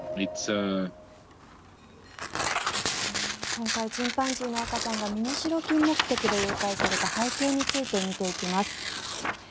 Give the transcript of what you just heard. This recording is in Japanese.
今回チンパンジーの赤ちゃんが身代金目的で誘拐された背景について見ていきます。